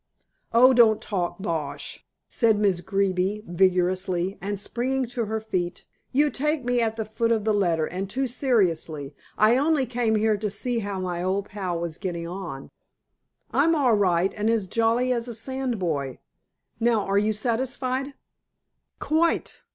"Oh, don't talk bosh!" said Miss Greeby vigorously, and springing to her feet. "You take me at the foot of the letter and too seriously. I only came here to see how my old pal was getting on." "I'm all right and as jolly as a sandboy. Now are you satisfied?" "Quite.